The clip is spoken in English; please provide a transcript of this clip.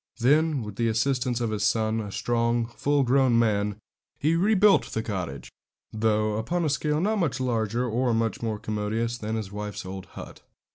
Then, with the assistance of his son, a strong, full grown young man, he rebuilt the cottage, though upon a scale not much larger or much more commodious than his wife's old hut.